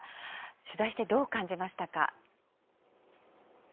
取材してどう感じましたか。